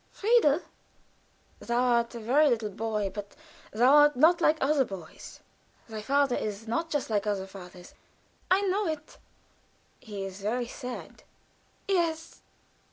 "Friedel?" "Thou art a very little boy, but thou art not like other boys; thy father is not just like other fathers." "I know it." "He is very sad." "Yes."